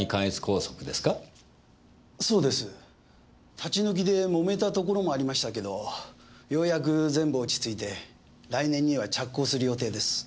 立ち退きでもめたところもありましたけどようやく全部落ち着いて来年には着工する予定です。